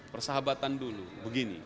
persahabatan dulu begini